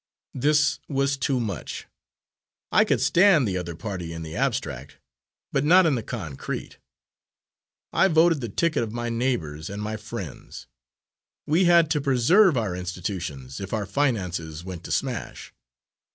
'" "This was too much! I could stand the other party in the abstract, but not in the concrete. I voted the ticket of my neighbours and my friends. We had to preserve our institutions, if our finances went to smash.